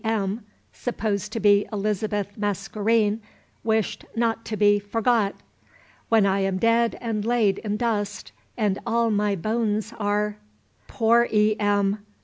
M. (supposed to be Elizabeth Mascarene) wished not to be "forgot". "When I am dead and lay'd in dust And all my bones are" Poor E. M.!